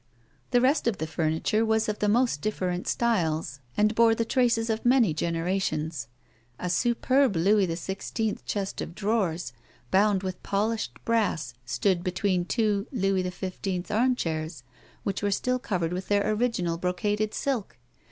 The rest of the furniture was of the most difi'erent styles, and bore the traces of many generations. A superb Louis XVI. chest of drawers, bound with polished brass, stood be tween two Louis X"\' armchairs which were still covered with their original brocaded silk.